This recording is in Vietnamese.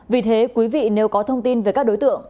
vì thế quý vị nếu có thông tin về các đối tượng